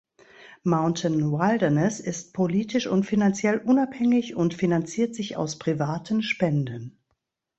Mountain Wilderness ist politisch und finanziell unabhängig und finanziert sich aus privaten Spenden.